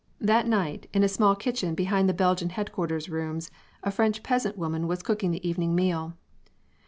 That night, in a small kitchen behind the Belgian headquarters rooms, a French peasant woman was cooking the evening meal.